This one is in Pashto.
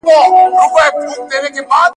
• په سپين سر، کيمخا پر سر.